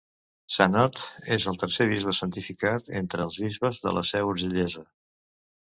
Sant Ot és el tercer bisbe santificat entre els bisbes de la seu urgellesa.